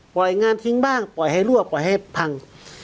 งานทิ้งบ้างปล่อยให้รั่วปล่อยให้พัง